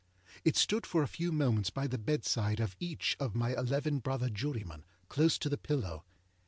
It stood for a few moments by the bedside of each of my eleven brother jurymen, close to the pillow.